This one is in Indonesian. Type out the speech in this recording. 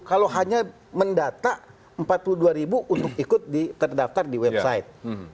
kalau hanya mendata empat puluh dua ribu untuk ikut terdaftar di website